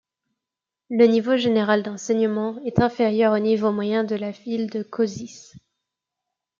Le niveau général d'enseignement est inférieur au niveau moyen de la ville de Košice.